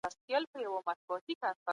مالونه په ناحقه مه ضایع کوئ.